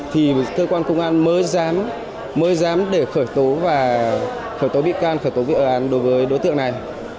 thì cơ quan công an mới dám để khởi tố bị can khởi tố bị ờ án đối với đối tượng này